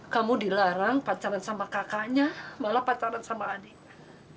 kamu dilarang pacaran sama kakaknya malah pacaran sama adiknya